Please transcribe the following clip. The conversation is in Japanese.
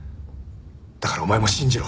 だからお前も信じろ。